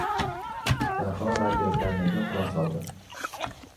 Daho radiokarnayga quloq soldi.